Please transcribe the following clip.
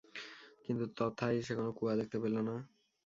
কিন্তু তথায় সে কোন কুয়া দেখতে পেল না।